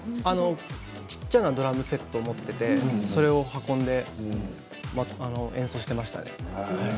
小っちゃなドラムセットを持っていてそれを運んで演奏していましたね。